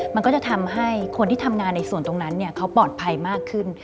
มันก็จะทำให้คนที่ทำงานในส่วนตรงนั้นเขาปลอดภัยมากขึ้น